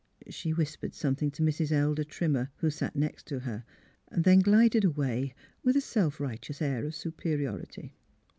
''^ She whispered something to Mrs. Elder Trim mer who sat next her; then glided away, with a self righteous air of superiority.